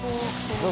どう？